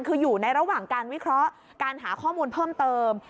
คืออยู่ในระหว่างการวิเคราะห์การหาข้อมูลเพิ่มเติม